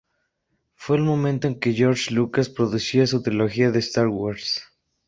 Fue el momento en que George Lucas producía su trilogía de "Star Wars".